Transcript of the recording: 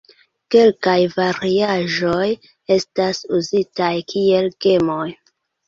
Kelkaj variaĵoj estas uzitaj kiel gemoj.